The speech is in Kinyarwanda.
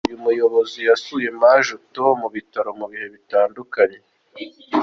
Uyu muyobozi yasuye Majuto mu bitaro mu bihe bitandukanye.